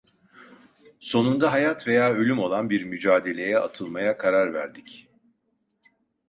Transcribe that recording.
Sonunda hayat veya ölüm olan bir mücadeleye atılmaya karar verdik.